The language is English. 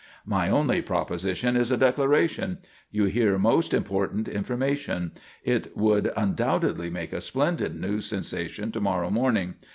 "My only proposition is a declaration. You hear most important information. It would undoubtedly make a splendid news sensation to morrow morning.